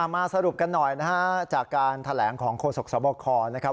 สรุปกันหน่อยนะฮะจากการแถลงของโฆษกสบคนะครับ